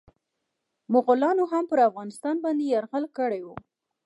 مغولانو هم پرافغانستان باندي يرغل کړی و.